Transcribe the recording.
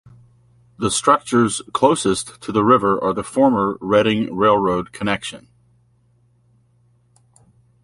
The structures closest to the river are the former Reading Railroad connection.